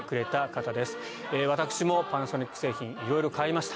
私もパナソニック製品色々買いました。